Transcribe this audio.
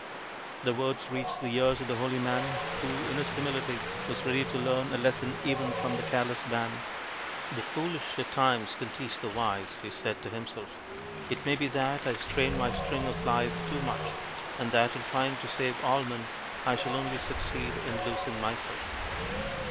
The words reached the ears of the holy man, who in his humility was ready to learn a lesson even from this careless band. " The foolish at times can teach the wise," he said to himself ;" it may be that I strain my string of life too much, and that in trying to save all men I shall only succeed in losing my self."